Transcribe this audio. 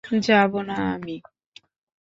যাব না আমি?